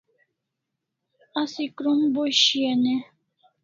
Asi krom bo shian e?